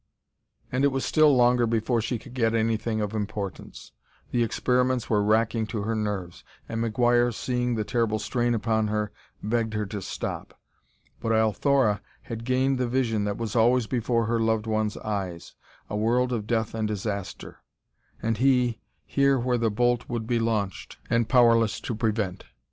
And it was still longer before she could get anything of importance. The experiments were racking to her nerves, and McGuire, seeing the terrible strain upon her, begged her to stop. But Althora had gained the vision that was always before her loved one's eyes a world of death and disaster and he, here where the bolt would be launched, and powerless to prevent.